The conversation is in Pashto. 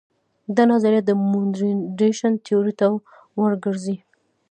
دا نظریه د موډرنیزېشن تیورۍ ته ور ګرځي.